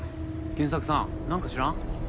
賢作さんなんか知らん？